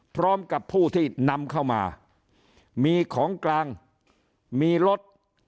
พร้อมกับผู้ที่นำเข้ามามีของกลางมีรถ